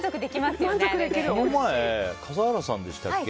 この前、笠原さんでしたっけ。